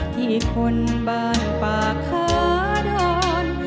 ที่คนบ้านปากขอดอน